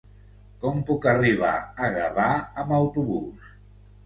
Com puc arribar a Gavà amb autobús?